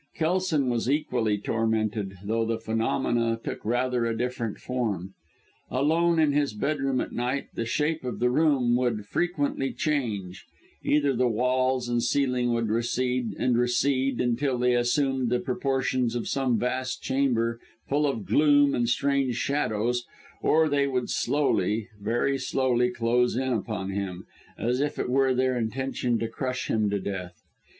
Kelson was equally tormented, though the phenomena took rather a different form. Alone in his bedroom at night, the shape of the room would frequently change; either the walls and ceiling would recede, and recede, until they assumed the proportions of some vast chamber, full of gloom and strange shadows; or they would slowly, very slowly, close in upon him, as if it were their intention to crush him to death.